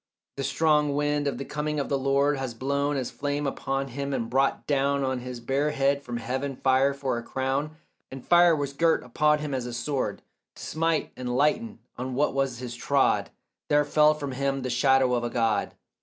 The strong wind of the coming of the Lord Had blown as flame upon him, and brought down On his bare head from heaven fire for a crown, And fire was girt upon him as a sword To smite and lighten, and on what ways he trod There fell from him the shadow of a God.